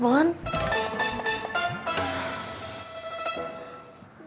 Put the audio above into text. boleh kas bon